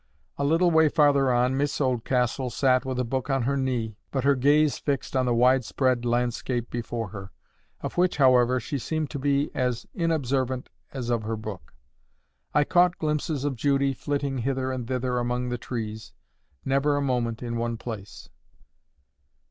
A little way farther on, Miss Oldcastle sat, with a book on her knee, but her gaze fixed on the wide spread landscape before her, of which, however, she seemed to be as inobservant as of her book. I caught glimpses of Judy flitting hither and thither among the trees, never a moment in one place.